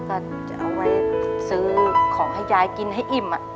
ก็จะเอาไว้ซื้อของให้ยายกินให้อิ่ม